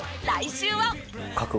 来週は。